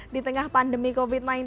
di tengah pandemi covid sembilan belas